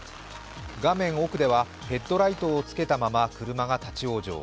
画面奥ではヘッドライトをつけたまま車が立往生。